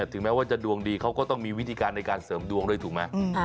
ถึงแม้ว่าจะดวงดีเขาก็ต้องมีวิธีการในการเสริมดวงด้วยถูกไหม